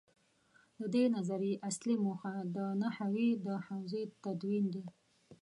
د دې نظریې اصلي موخه د نحوې د حوزې تدوین دی.